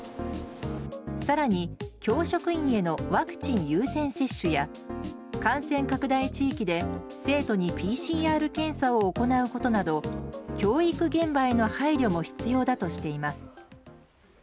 更に教職員へのワクチン優先接種や感染拡大地域で生徒にＰＣＲ検査を行うことなど教育現場への配慮も必要だとしています。